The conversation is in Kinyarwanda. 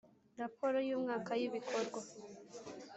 Raporo y umwaka y Ibikorwa